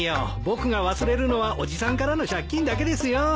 僕が忘れるのは伯父さんからの借金だけですよ。